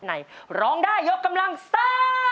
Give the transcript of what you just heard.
ร้องได้ยกกำลังซ่า